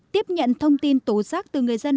tiếp nhận thông tin tố giác từ người dân